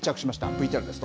ＶＴＲです。